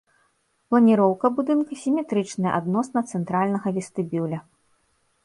Планіроўка будынка сіметрычная адносна цэнтральнага вестыбюля.